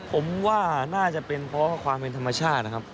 ผมว่าน่าจะเป็นเพราะความเป็นธรรมชาตินะครับ